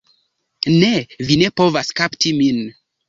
Ne, vi ne povas kapti min.